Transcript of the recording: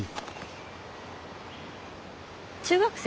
中学生？